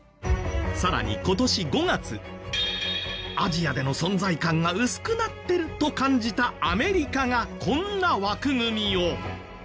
さらに今年５月アジアでの存在感が薄くなってると感じたアメリカがこんな枠組みを！